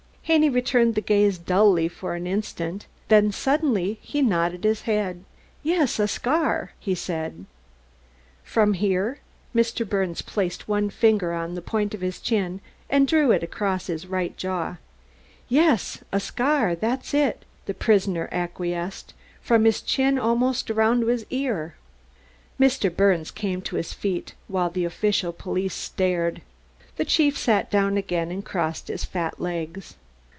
Haney returned the gaze dully for an instant, then suddenly he nodded his head. "Yes, a scar," he said. "From here?" Mr. Birnes placed one finger on the point of his chin and drew it across his right jaw. "Yes, a scar that's it;" the prisoner acquiesced, "from his chin almost around to his ear." Mr. Birnes came to his feet, while the official police stared. The chief sat down again and crossed his fat legs.